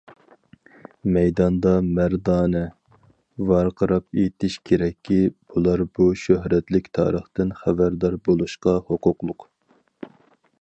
مەيداندا مەردانە ۋارقىراپ ئېيتىش كېرەككى، ئۇلار بۇ شۆھرەتلىك تارىختىن خەۋەردار بولۇشقا ھوقۇقلۇق!